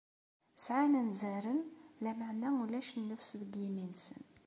Sɛan anzaren, lameɛna ulac nnefs deg yimi-nsen.